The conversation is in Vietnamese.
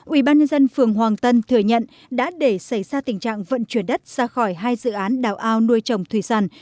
ủy ban nhân dân phường hoàng tân thừa nhận đã để xảy ra tình trạng vận chuyển đất ra khỏi hai dự án đào ao nuôi trồng thủy sản